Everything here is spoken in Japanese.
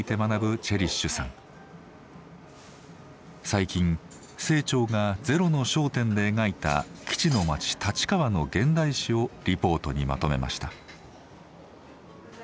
最近清張が「ゼロの焦点」で描いた基地の町立川の現代史をリポートにまとめました。